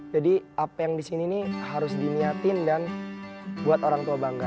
apa yang di sini nih harus diniatin dan buat orang tua bangga